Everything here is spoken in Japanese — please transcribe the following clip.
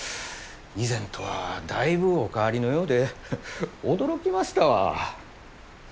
以前とはだいぶお変わりのようで驚きましたわ。